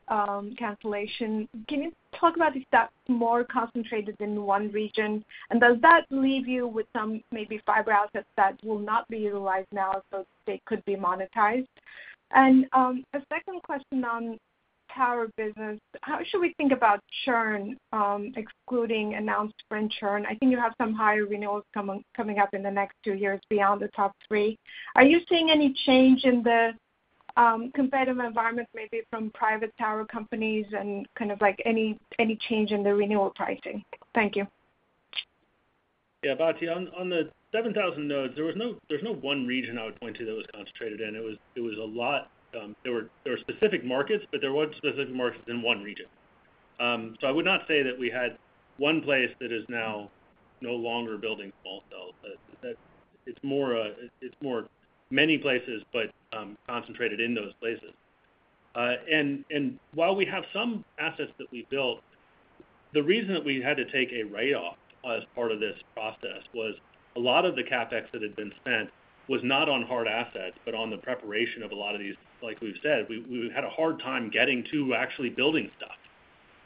cancellation, can you talk about, is that more concentrated in one region? And does that leave you with some maybe fiber assets that will not be utilized now, so they could be monetized? And the second question on tower business, how should we think about churn, excluding announced churn? I think you have some higher renewals coming up in the next two years beyond the top three. Are you seeing any change in the competitive environment, maybe from private tower companies and kind of like any change in the renewal pricing? Thank you. Yeah, Batya, on the 7,000 nodes, there's no one region I would point to that was concentrated in. It was a lot. There were specific markets, but there weren't specific markets in one region. So I would not say that we had one place that is now no longer building small cells, but that it's more many places, but concentrated in those places. And while we have some assets that we built, the reason that we had to take a write-off as part of this process was a lot of the CapEx that had been spent was not on hard assets, but on the preparation of a lot of these. Like we've said, we had a hard time getting to actually building stuff,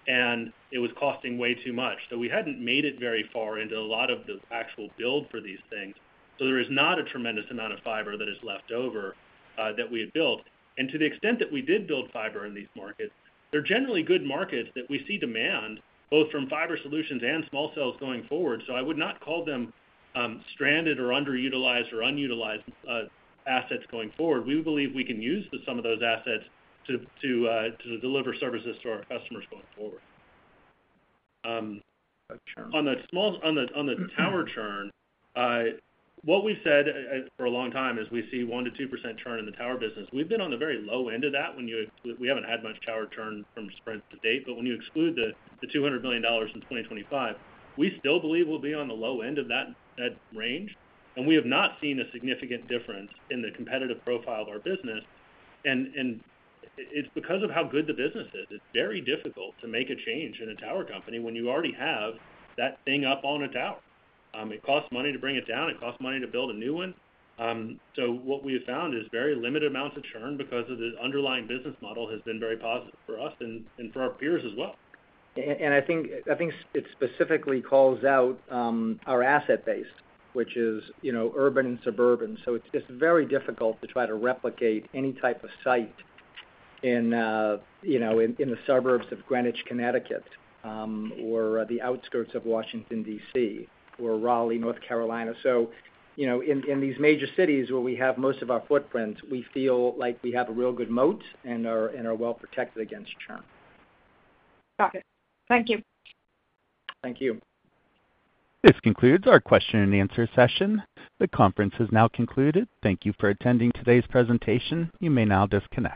and it was costing way too much. So we hadn't made it very far into a lot of the actual build for these things. So there is not a tremendous amount of fiber that is left over that we had built. And to the extent that we did build fiber in these markets, they're generally good markets that we see demand, both from fiber solutions and small cells going forward. So I would not call them stranded or underutilized or unutilized assets going forward. We believe we can use some of those assets to deliver services to our customers going forward. Churn. On the tower churn, what we've said for a long time is we see 1%-2% churn in the tower business. We've been on the very low end of that. When you exclude, we haven't had much tower churn from Sprint to date, but when you exclude the $200 million in 2025, we still believe we'll be on the low end of that range, and we have not seen a significant difference in the competitive profile of our business, and it's because of how good the business is. It's very difficult to make a change in a tower company when you already have that thing up on a tower. It costs money to bring it down. It costs money to build a new one. So what we have found is very limited amounts of churn because of the underlying business model has been very positive for us and for our peers as well. I think it specifically calls out our asset base, which is, you know, urban and suburban. So it's very difficult to try to replicate any type of site in, you know, in the suburbs of Greenwich, Connecticut, or the outskirts of Washington, D.C., or Raleigh, North Carolina. So, you know, in these major cities where we have most of our footprint, we feel like we have a real good moat and are well protected against churn. Got it. Thank you. Thank you. This concludes our question and answer session. The conference is now concluded. Thank you for attending today's presentation. You may now disconnect.